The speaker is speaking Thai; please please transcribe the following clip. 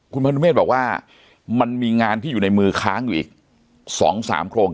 คุณพนุเมฆบอกว่ามันมีงานที่อยู่ในมือค้างอยู่อีก๒๓โครงการ